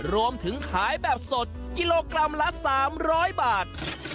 รวมถึงขายแบบสดกิโลกรัมละ๓๐๐บาท